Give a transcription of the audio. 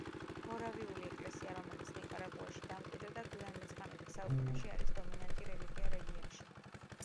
მორავიული ეკლესია, რომელიც ნიკარაგუაში დამკვიდრდა გვიან მეცხრამეტე საუკუნეში, არის დომინანტი რელიგია რეგიონში.